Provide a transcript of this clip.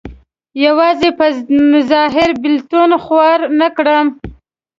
یوازې په ظاهر بېلتون خوار نه کړم.